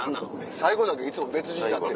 最後だけいつも別人になってる。